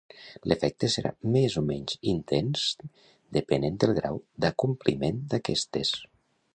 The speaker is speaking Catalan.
L'efecte serà més o menys intents depenent del grau d'acompliment d'aquestes.